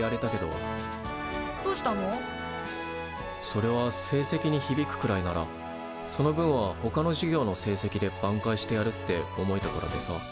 それは成績にひびくくらいならその分はほかの授業の成績で挽回してやるって思えたからでさ。